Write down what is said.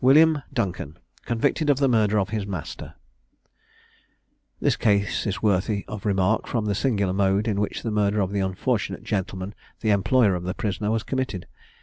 WILLIAM DUNCAN, CONVICTED OF THE MURDER OF HIS MASTER. This case is worthy of remark from the singular mode in which the murder of the unfortunate gentleman, the employer of the prisoner, was committed.